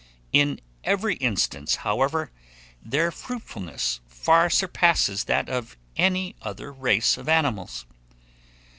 In every instance, however, their fruitfulness far surpasses that of any other race of animals.